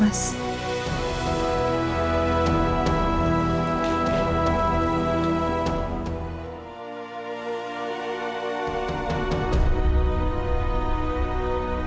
aku suka yang cantik